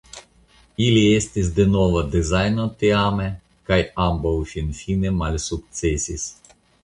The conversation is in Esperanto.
Ili estis de nova dezajno tiame kaj ambaŭ finfine malsukcesis.